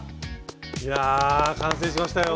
いや完成しましたよ。